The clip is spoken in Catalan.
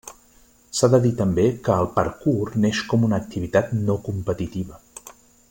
S’ha de dir també que el parkour neix com una activitat no competitiva.